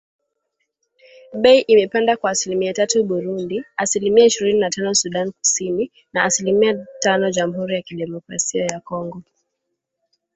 Bei imepanda kwa asilimia tatu Burundi ,asilimia ishirini na tano Sudan Kusini na asilimia tano Jamhuri ya Kidemokrasia ya Kongo